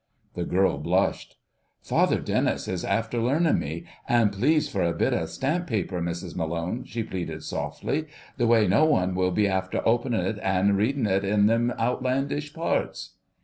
The girl blushed. "Father Denis is after learnin' me; an' please for a bit o' stamp paper, Mrs Malone," she pleaded softly, "the way no one will be after opening it an' readin' it in them outlandish parts."